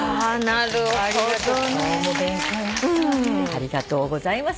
ありがとうございます。